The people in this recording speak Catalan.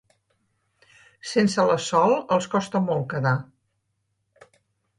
Sense la Sol, els costa molt quedar.